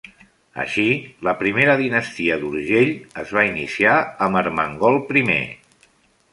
Així, la primera dinastia d'Urgell es va iniciar amb Ermengol I.